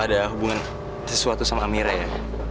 namanya kamu ada hubungan sesuatu sama amira ya